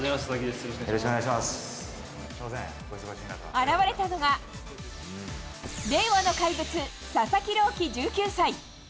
現れたのが、令和の怪物佐々木朗希、１９歳。